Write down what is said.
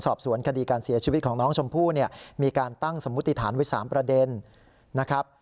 สอบสวนคดีการเสียชีวิตของน้องชมพู่เนี่ยมีการตั้งสมมุติฐานไว้๓ประเด็นนะครับ